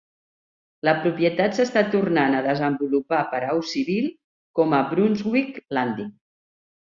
La propietat s'està tornant a desenvolupar per a ús civil com a Brunswick Landing.